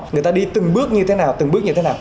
người ta đi từng bước như thế nào từng bước như thế nào